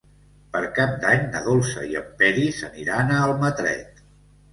Per Cap d'Any na Dolça i en Peris aniran a Almatret.